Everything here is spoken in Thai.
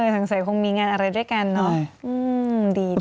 สงสัยคงมีงานอะไรด้วยกันเนอะ